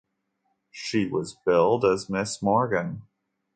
She was billed as Mrs Morgan.